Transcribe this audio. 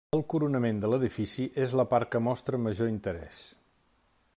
El coronament de l'edifici és la part que mostra major interès.